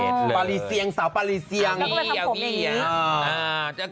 ปารีเซียงสาวปารีเซียงเรีย